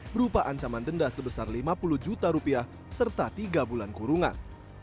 berupa ancaman denda sebesar lima puluh juta rupiah serta tiga bulan kurungan